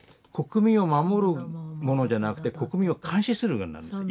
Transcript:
国民を守るものじゃなくて国民を監視する側になる。